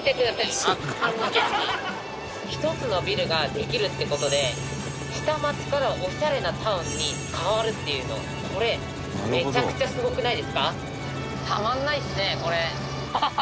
１つのビルができるって事で下町からオシャレなタウンに変わるっていうのこれめちゃくちゃすごくないですか？